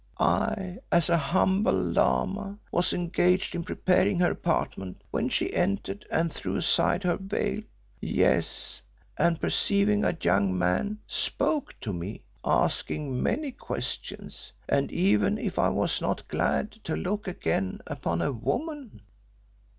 I, as a humble Lama, was engaged in preparing her apartment when she entered and threw aside her veil; yes, and perceiving a young man, spoke to me, asking many questions, and even if I was not glad to look again upon a woman."